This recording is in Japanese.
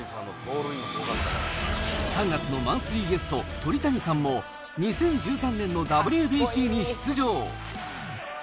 ３月のマンスリーゲスト、鳥谷さんも、２０１３年のＷＢＣに出場。